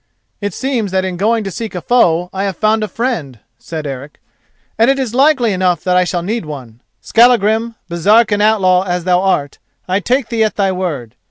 "It seems that in going to seek a foe I have found a friend," said Eric, "and it is likely enough that I shall need one. Skallagrim, Baresark and outlaw as thou art, I take thee at thy word.